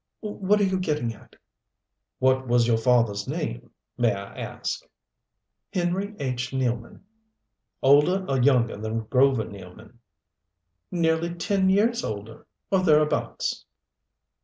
What are you getting at?" "What was your father's name, may I ask?" "Henry H. Nealman." "Older or younger than Grover Nealman?" "Nearly ten years older, or thereabouts."